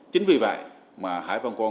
chính vì vậy mà hải vân quan